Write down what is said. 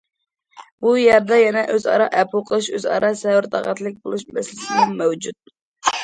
بۇ يەردە يەنە ئۆزئارا ئەپۇ قىلىش، ئۆزئارا سەۋر- تاقەتلىك بولۇش مەسىلىسىمۇ مەۋجۇت.